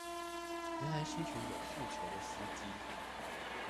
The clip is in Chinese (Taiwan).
原來是一群有訴求的司機